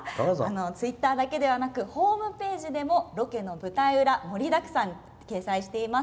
ツイッターだけではなくホームページでもロケの舞台裏盛りだくさん掲載しています。